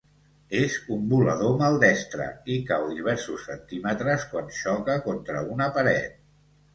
És un volador maldestre i cau diversos centímetres quan xoca contra una paret.